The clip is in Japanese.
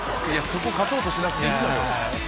そこ勝とうとしなくていいのよ。